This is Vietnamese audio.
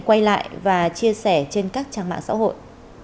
quay lại và chia sẻ trên các trang mạng xã hội